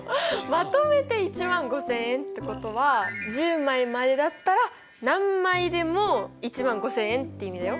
まとめて１５０００円ってことは１０枚までだったら何枚でも１５０００円っていう意味だよ。